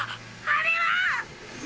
あれは？